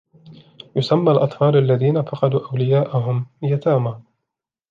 يُسمى الأطفال الذين فقدوا أولياءهم"يتامى".